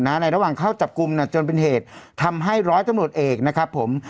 ในระหว่างเข้าจับกลุ่มจนเป็นเหตุทำให้ร้อยตำรวจเอกนะครับผม